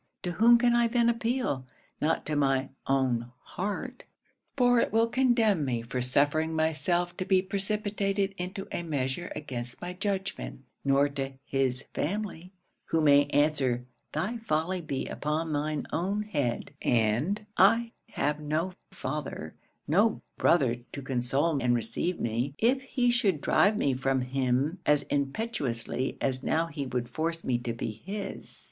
To whom can I then appeal? Not to my own heart, for it will condemn me for suffering myself to be precipitated into a measure against my judgment; nor to his family, who may answer, "thy folly be upon thine own head;" and I have no father, no brother to console and receive me, if he should drive me from him as impetuously as now he would force me to be his.